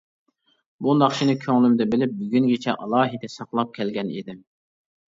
بۇ ناخشىنى كۆڭلۈمدە بىلىپ بۈگۈنگىچە ئالاھىدە ساقلاپ كەلگەن ئىدىم.